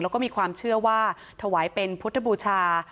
แล้วก็มีความเชื่อว่าถวายเป็นพุทธบูชา